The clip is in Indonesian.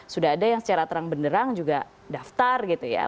sudah ada yang secara terang benderang juga daftar gitu ya